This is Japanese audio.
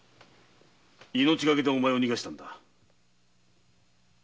命がけでお前を逃したんだ。